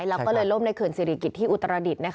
แล้วก็เลยล่มในเขื่อนศิริกิจที่อุตรดิษฐ์